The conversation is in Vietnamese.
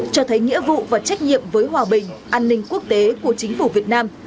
cho thấy nghĩa vụ và trách nhiệm với hòa bình an ninh quốc tế của chính phủ việt nam